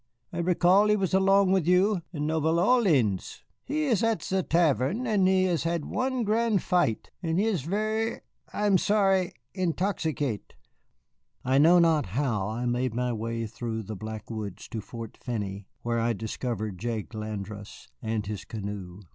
"I recall he was along with you in Nouvelle Orléans. He is at ze tavern, and he has had one gran' fight, and he is ver' I am sorry intoxicate " I know not how I made my way through the black woods to Fort Finney, where I discovered Jake Landrasse and his canoe.